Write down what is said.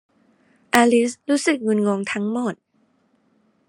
อลิซรู้สึกงุนงงทั้งหมด